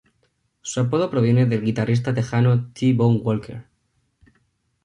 Su apodo proviene del guitarrista tejano T-Bone Walker.